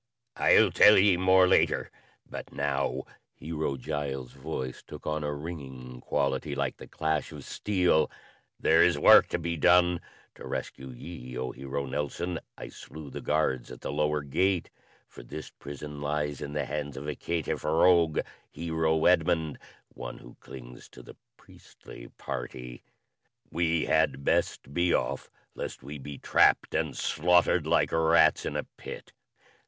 "I'll tell ye more later, but now " Hero Giles' voice took on a ringing quality like the clash of steel "there is work to be done. To rescue ye, oh Hero Nelson, I slew the guards at the lower gate, for this prison lies in the hands of a caitiff rogue, Hero Edmund, one who clings to the priestly party. We had best be off lest we be trapped and slaughtered like rats in a pit."